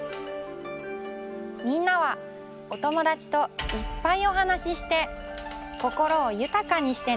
みんなはおともだちといっぱいおはなしして心をゆたかにしてね。